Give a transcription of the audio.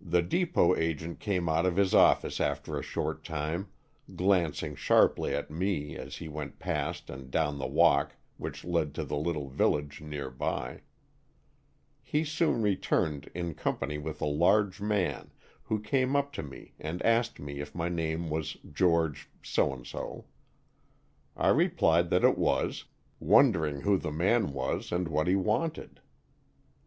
"The depot agent came out of his office after a short time, glancing sharply at me as he went past and down the walk which led to the little village near by. He soon returned in company with a large man who came up to me and asked me if my name was George I replied that it was, 33 Stories from the Adirondack*. wondering who the man was and what he wanted.